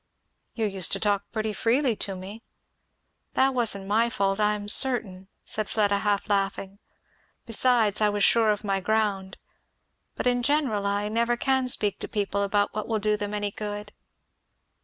"You used to talk pretty freely to me." "It wasn't my fault, I am certain," said Fleda half laughing. "Besides, I was sure of my ground. But in general I never can speak to people about what will do them any good."